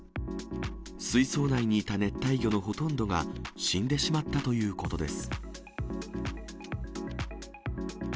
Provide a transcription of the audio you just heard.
水槽内にいた熱帯魚のほとんどが死んでしまったということです。